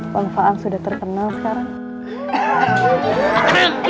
bang faang sudah terkenal sekarang